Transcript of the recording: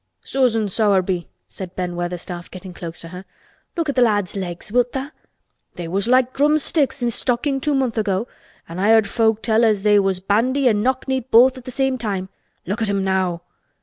"Susan Sowerby," said Ben Weatherstaff, getting close to her. "Look at th' lad's legs, wilt tha'? They was like drumsticks i' stockin' two month' ago—an' I heard folk tell as they was bandy an' knock kneed both at th' same time. Look at 'em now!"